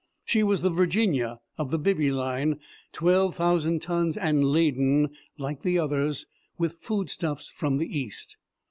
She was the Virginia, of the Bibby Line twelve thousand tons and laden, like the others, with foodstuffs from the East.